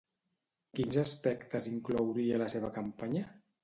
Quins aspectes inclouria la seva campanya?